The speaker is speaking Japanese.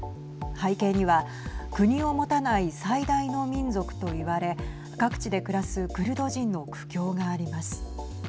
背景には国を持たない最大の民族と言われ各地で暮らすクルド人の苦境があります。